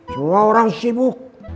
semua orang sibuk